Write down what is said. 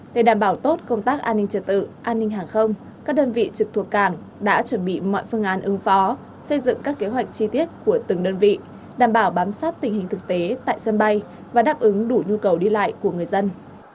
để đảm bảo tốt công tác an ninh trật tự an ninh hàng không các đơn vị trực thuộc cảng đã chuẩn bị mọi phương án ứng phó xây dựng các kế hoạch chi tiết của từng đơn vị đảm bảo bám sát tình hình thực tế tại sân bay và đáp ứng đủ nhu cầu đi lại của người dân